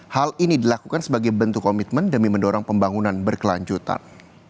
hal ini dilakukan sebagai bentuk komitmen demi mendorong pembangunan berkelanjutan